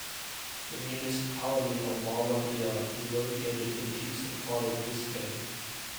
The municipality of Mallabia is located in the eastern part of Biscay.